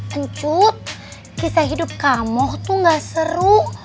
pencut kisah hidup kamu tuh gak seru